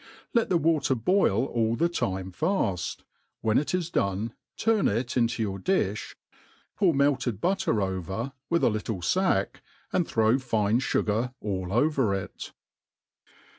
Let the wa ter boil all the time faft ', whejf it is done, turn it into' your ixfhy pour melted butter ovcr^ with a littfc fack, and Afow fugar aU over it.